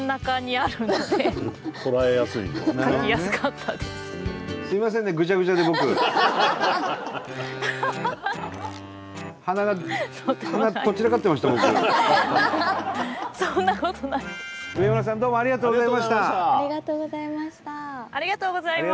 ありがとうございます！